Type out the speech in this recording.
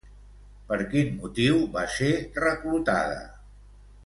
Per quin motiu va ser reclutada?